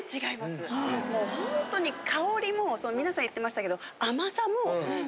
もうホントに香りもそう皆さん言ってましたけど。